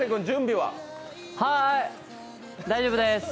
はーい、大丈夫です。